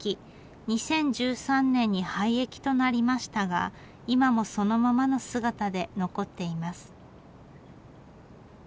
２０１３年に廃駅となりましたが今もそのままの姿で残っています。